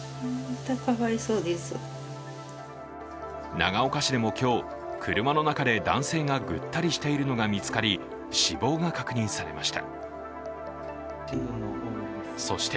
長岡市でも今日車の中で男性がぐったりしているのが見つかり死亡が確認されました。